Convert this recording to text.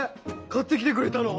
買ってきてくれたの？